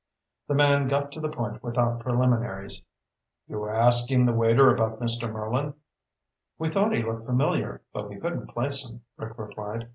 The man got to the point without preliminaries. "You were asking the waiter about Mr. Merlin." "We thought he looked familiar, but we couldn't place him," Rick replied.